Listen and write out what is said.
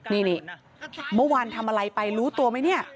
นี่เมื่อวานทำอะไรไปรู้ตัวไหมเนี่ย